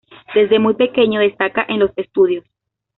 Desde muy pequeño destaca en los estudios.